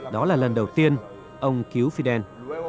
đó là lần đầu tiên ông cứu fidel